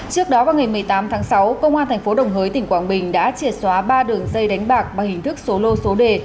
trước đó vào ngày một mươi tám tháng sáu công an tp đồng hới tỉnh quảng bình đã triệt xóa ba đường dây đánh bạc bằng hình thức số lô số đề